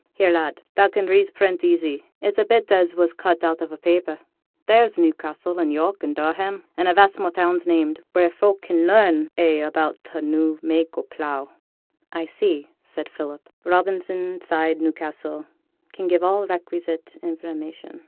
Here, lad, thou can read print easy; it's a bit as was cut out on a papper; there's Newcassel, and York, and Durham, and a vast more towns named, wheere folk can learn a' about t' new mak' o' pleugh.' 'I see,' said Philip: '"Robinson, Side, Newcastle, can give all requisite information."'